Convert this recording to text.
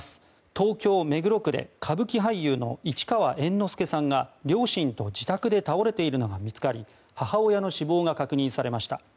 東京・目黒区で歌舞伎俳優の市川猿之助さんが両親と自宅で倒れているのが見つかり母親の死亡が確認されました。